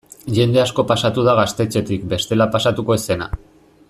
Jende asko pasatu da gaztetxetik bestela pasatuko ez zena.